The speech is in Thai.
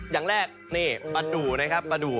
อย่างแรกประดูก